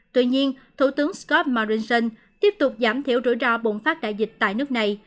tuy nhiên thủ tướng scott morrison tiếp tục giảm thiểu rủi ro bùng phát đại dịch tại nước này